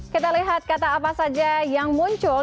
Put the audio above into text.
kata kata apa saja yang muncul